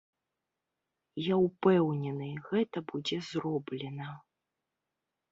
Я ўпэўнены, гэта будзе зроблена.